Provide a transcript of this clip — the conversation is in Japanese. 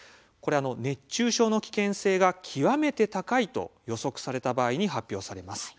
熱中症の危険性が極めて高いと予測された場合に発表されます。